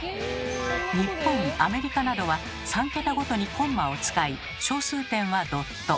日本アメリカなどは３桁ごとにコンマを使い小数点はドット。